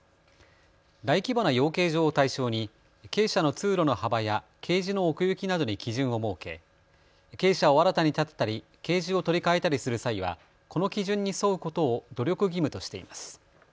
大規模な養鶏場を対象に鶏舎の通路の幅やケージの奥行きなどに基準を設け鶏舎を新たに建てたり、ケージを取り替えたりする際はこの基準に沿うことを努力義務としています。